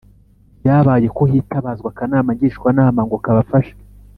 Byabaye ko hitabazwa akanama Ngishwanama ngo kabafashe